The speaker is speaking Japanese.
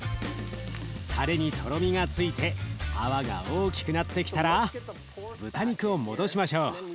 たれにとろみがついて泡が大きくなってきたら豚肉を戻しましょう。